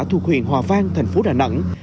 thuộc huyện hòa vang thành phố đà nẵng